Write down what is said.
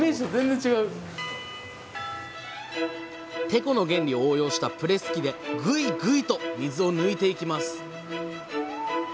テコの原理を応用したプレス機でグイグイと水を抜いていきます。